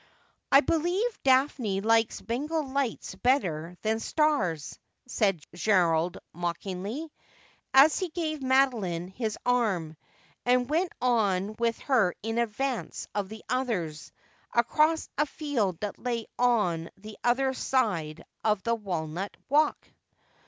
' I believe Daphne likes Bengal lights better than stars,' said Gerald mockingly, as he gave Madoline his arm, and went on with her in advance of the others, across a field that lay on the other side of the walnut walk.